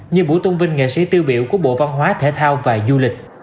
như buổi tôn vinh nghệ sĩ tiêu biểu của bộ văn hóa thể thao và du lịch